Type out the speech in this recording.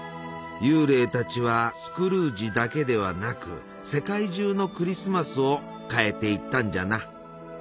幽霊たちはスクルージだけではなく世界中のクリスマスを変えていったんじゃな。